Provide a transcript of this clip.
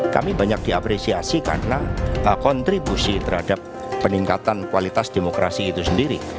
kami banyak diapresiasi karena kontribusi terhadap peningkatan kualitas demokrasi itu sendiri